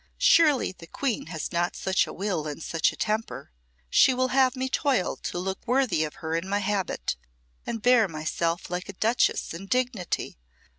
"Surely the Queen has not such a will and such a temper. She will have me toil to look worthy of her in my habit, and bear myself like a duchess in dignity.